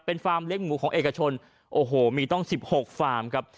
เป็นฟาร์มเลี้ยหมูของเอกชนโอ้โหมีต้อง๑๖ฟาร์มครับ